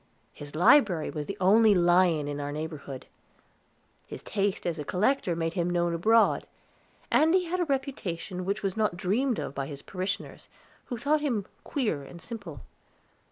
His library was the only lion in our neighborhood. His taste as a collector made him known abroad, and he had a reputation which was not dreamed of by his parishioners, who thought him queer and simple.